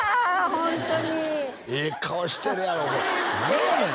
ホントにええ顔しとるやろ何やねん？